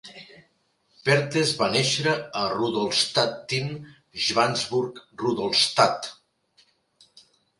Perthes va néixer a Rudolstadtin, Schwarzburg-Rudolstadt.